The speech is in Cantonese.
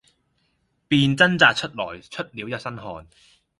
便掙扎出來，出了一身汗。